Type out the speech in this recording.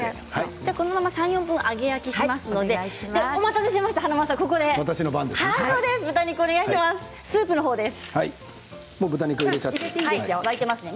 ３、４分揚げ焼きしますのでお待たせしました華丸さん、スープの方です。